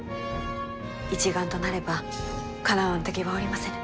一丸となればかなわぬ敵はおりませぬ。